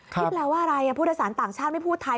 นี่แปลว่าอะไรผู้โดยสารต่างชาติไม่พูดไทย